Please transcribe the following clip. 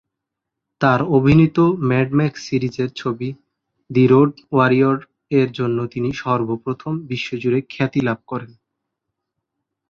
তার অভিনীত Mad Max সিরিজের ছবি "দি রোড ওয়ারিয়র"-এর জন্য তিনি সর্বপ্রথম বিশ্বজুড়ে খ্যাতি লাভ করেন।